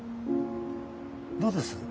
どうです？